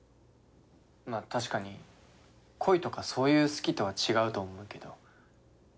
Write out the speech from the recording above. まあ確かに恋とかそういう好きとは違うと思うけど。